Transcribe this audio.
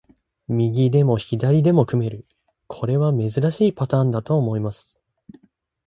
右でも左でも組める、これは珍しいパターンだと思います。